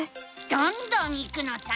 どんどんいくのさ！